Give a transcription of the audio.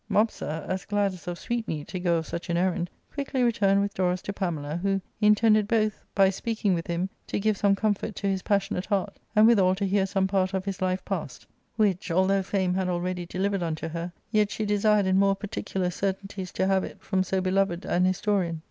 Mopsa, as glad as of sweetmeat to go of such an errand, quickly returned with Dorus to Pamela, who intended both, by speaking with him, to give some comfort to his passionate heart, and withal to hear some part of his life past, which, although fame had already delivered unto her, yet she desired in more particular cer tainties to have it from so beloved an historian.